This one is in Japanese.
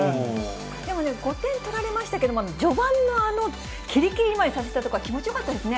でも５点取られましたけど、序盤のあのあのきりきりまいさせたところ、気持ちよかったですね。